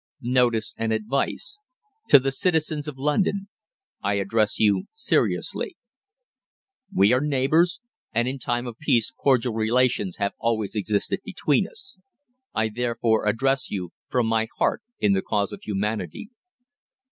NOTICE AND ADVICE. TO THE CITIZENS OF LONDON. I ADDRESS YOU SERIOUSLY. We are neighbours, and in time of peace cordial relations have always existed between us. I therefore address you from my heart in the cause of humanity.